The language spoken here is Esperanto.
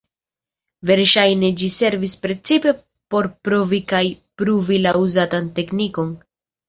Verŝajne ĝi servis precipe por provi kaj pruvi la uzatan teknikon.